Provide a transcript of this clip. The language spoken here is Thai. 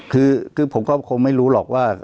คือผมก็คงไม่รู้หรอกว่า